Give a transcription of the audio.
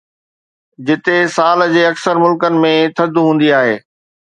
جتي سال جي اڪثر ملڪن ۾ ٿڌ هوندي آهي